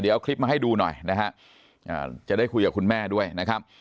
เอาคลิปมาให้ดูหน่อยนะฮะจะได้คุยกับคุณแม่ด้วยนะครับ